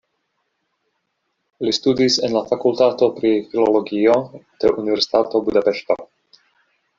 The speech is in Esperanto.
Li studis en la fakultato pri filologio de Universitato Budapeŝto.